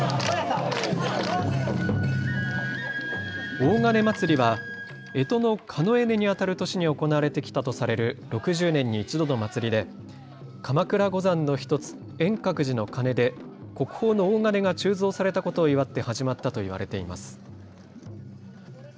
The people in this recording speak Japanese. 洪鐘祭はえとの庚子にあたる年に行われてきたとされる６０年に１度の祭りで鎌倉五山の１つ円覚寺の鐘で国宝の洪鐘が鋳造されたことを祝って始まったといわれています。